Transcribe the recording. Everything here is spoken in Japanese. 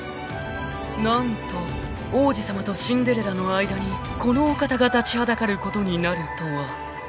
［何と王子様とシンデレラの間にこのお方が立ちはだかることになるとは］